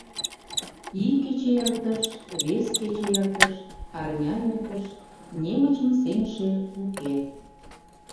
Ик кече эртыш, вес кече эртыш, арня эртыш — немычым сеҥыше уке.